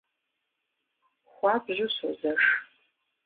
Хуабжьу созэш…